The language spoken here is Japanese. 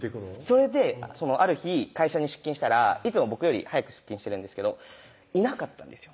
それである日会社に出勤したらいつも僕より早く出勤してるんですけどいなかったんですよ